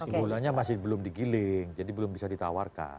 simbolonnya masih belum digiling jadi belum bisa ditawarkan